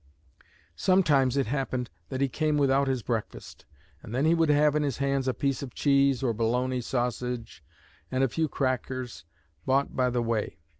Sometimes it happened that he came without his breakfast; and then he would have in his hands a piece of cheese or bologna sausage, and a few crackers, bought by the way.